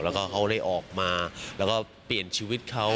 แล้วก็เขาได้ออกมาแล้วก็เปลี่ยนชีวิตเขา